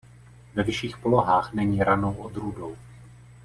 Ve vyšších polohách není ranou odrůdou.